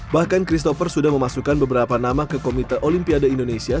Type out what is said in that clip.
bahkan christopher sudah memasukkan beberapa nama ke komite olimpiade indonesia